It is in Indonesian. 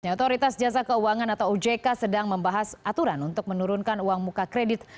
otoritas jasa keuangan atau ojk sedang membahas aturan untuk menurunkan uang muka kredit